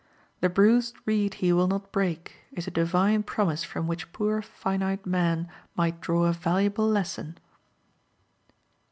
"The bruised reed He will not break," is a Divine promise from which poor finite man might draw a valuable lesson.